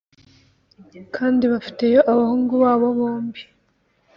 Kandi bafiteyo abahungu babo bombi